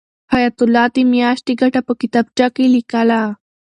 حیات الله د میاشتې ګټه په کتابچه کې لیکله.